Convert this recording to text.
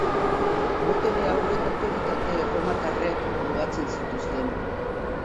Botere hauek, autoritate erromatarrek mugatzen zituzten.